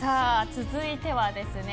続いてはですね